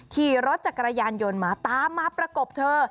ขี่รถจักรยานยนต์มาตามมาประกบเธอ